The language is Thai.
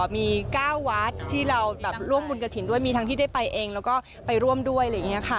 มี๙วัดที่เราแบบร่วมบุญกระถิ่นด้วยมีทั้งที่ได้ไปเองแล้วก็ไปร่วมด้วยอะไรอย่างนี้ค่ะ